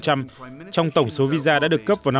trong tổng số visa đã được cấp vào năm hai nghìn một mươi bảy